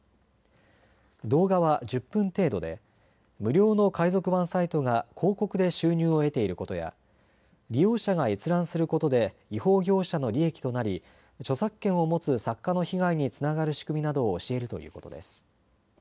動画は１０分程度で無料の海賊版サイトが広告で収入を得ていることや利用者が閲覧することで違法業者の利益となり著作権を持つ作家の被害につながる仕組みなどを教えるということです。